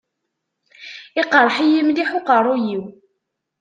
Iqerreḥ-iyi mliḥ uqerruy-iw.